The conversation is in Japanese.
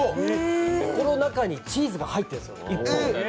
この中にチーズが入ってるんです。